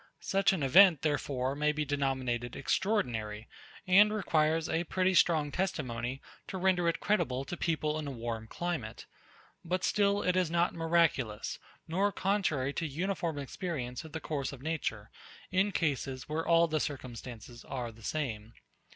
Such an event, therefore, may be denominated extraordinary, and requires a pretty strong testimony, to render it credible to people in a warm climate: But still it is not miraculous, nor contrary to uniform experience of the course of nature in cases where all the circumstances are the same.